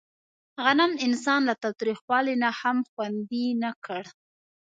غنم انسان له تاوتریخوالي نه هم خوندي نه کړ.